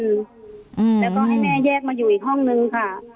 แล้วก็ให้แม่แยกมาอยู่อีกห้องนึงค่ะ